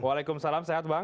waalaikumsalam sehat bang